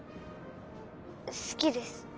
好きです。